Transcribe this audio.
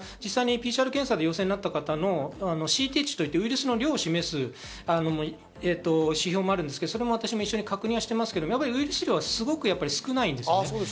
ＰＣＲ検査で陽性になった方のＣｔ値と言って、ウイルスの量を示す指標もあるんですけど、私も確認してますけど、ウイルス量はやっぱりすごく少ないです。